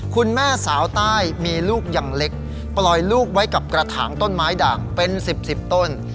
คุณแม่สาวใต้มีลูกอย่างเล็กปล่อยลูกไว้กับกระถางต้นไม้ด่างเป็น๑๐๑๐ต้น